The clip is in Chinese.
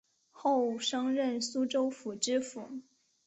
后升任苏州府知府